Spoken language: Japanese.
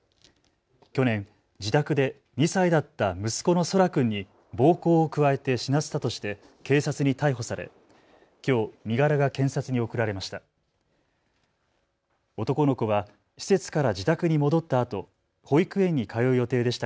去年、自宅で２歳だった息子の空来君に暴行を加えて死なせたとして警察に逮捕されきょう身柄が検察に送られました。